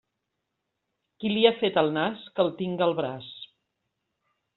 Qui li ha fet el nas, que el tinga al braç.